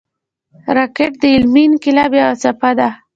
راکټ د علمي انقلاب یوه څپه ده